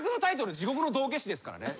『地獄の道化師』ですからね。